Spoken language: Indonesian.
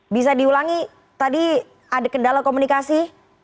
bisa diulangi tadi ada kendala komunikasi